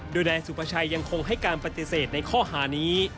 ด้วยในสุพชัยยังคงให้การปฏิเสธในข้อหานี้